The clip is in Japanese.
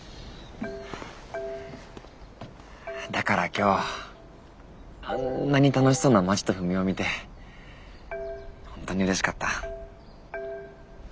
だから今日あんなに楽しそうなまちとふみお見て本当にうれしかった。